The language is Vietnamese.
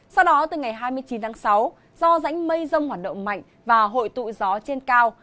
sau đó từ ngày hai mươi chín tháng sáu do rãnh mây rông hoạt động mạnh và hội tụ gió trên cao